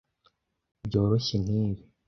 byoroshye nkibi.